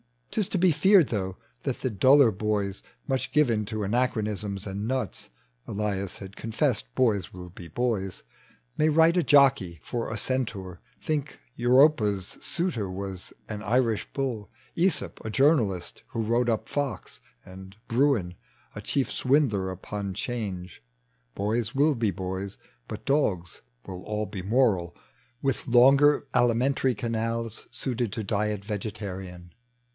'Tia to be feared, though, that the duller bojs, Much given to anachronisms and nuts, (Elias has confessed boys will be boys) May write a jockey for a centaur, think Europa's suitor was an Irish bull, ^sop a journalist who wrot« up Fox, And Bruin a chief swindler upon 'Change. Boys will be boya, but dogs will all be moral. With loiter alimentary canals Suited to diet vegetarian.